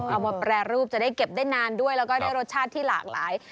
มาแปรรูปจะได้เก็บได้นานด้วยแล้วก็ได้รสชาติที่หลากหลาย